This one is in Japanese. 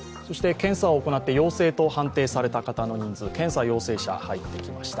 検査を行って陽性と判定された方の人数検査陽性者、入ってきました。